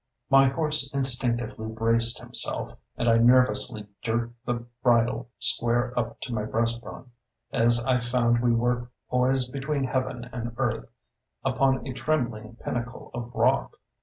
My horse instinctively braced himself, and I nervously jerked the bridle square up to my breast bone, as I found we were poised between heaven and earth, upon a trembling pinnacle of rock.